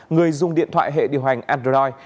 người dùng điện thoại hệ điều hành android